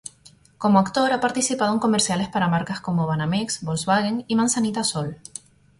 Como actor ha participado en comerciales para marcas como Banamex, Volkswagen y Manzanita Sol.